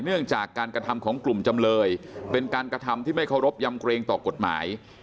เนื่องจากการกระทำของกลุ่มจำเลยเป็นการกระทำที่ไม่เคารพยำเกรงต่อกฎหมาย